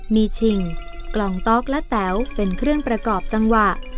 มีชิงกล่องต๊อกและแต๋วเป็นเครื่องประกอบจังหวะ